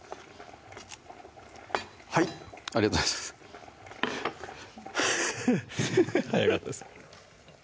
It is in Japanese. はいありがとうございますフフフッ早かったですね